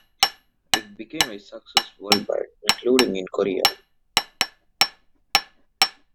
It became a success worldwide, including in Korea.